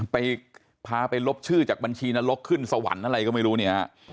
ไปพาไปลบชื่อจากบัญชีนรกขึ้นสวรรค์อะไรก็ไม่รู้เนี่ยฮะ